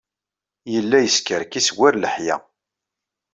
Yella yeskerkis war leḥya.